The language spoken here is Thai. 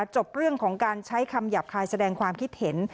จบเรื่องของการใช้คำหยาบคายแสดงความคิดเห็น